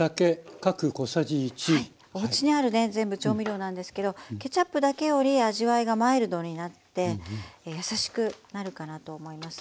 おうちにあるね全部調味料なんですけどケチャップだけより味わいがマイルドになってやさしくなるかなと思いますので。